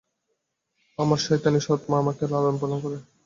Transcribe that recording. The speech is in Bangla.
আমার শয়তানী সৎ মা আমাকে লালনপালন করে।